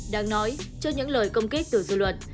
đáng nói trước những lời công kết từ dư luận